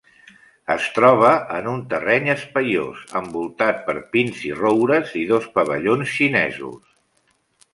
Es troba en un terreny espaiós, envoltat per pins i roures i dos pavellons xinesos.